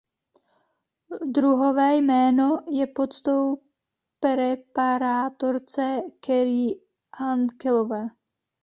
Druhové jméno je poctou preparátorce Carrie Ancellové.